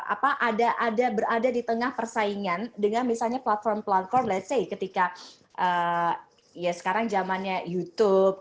apa ada ada berada di tengah persaingan dengan misalnya platform platform let's say ketika ya sekarang zamannya youtube